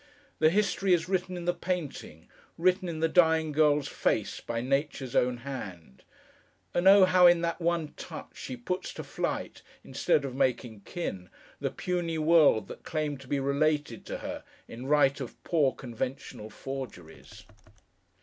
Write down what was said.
The History is written in the Painting; written, in the dying girl's face, by Nature's own hand. And oh! how in that one touch she puts to flight (instead of making kin) the puny world that claim to be related to her, in right of poor conventional forgeries!